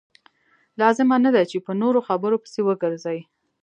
لازمه نه ده چې په نورو خبرو پسې وګرځئ.